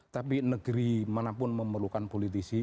tapi negeri manapun memerlukan politisi